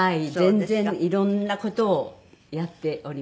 全然いろんな事をやっております。